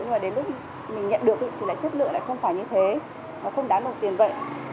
nhưng mà đến lúc mình nhận được thì là chất lượng lại không phải như thế nó không đáng nộp tiền vậy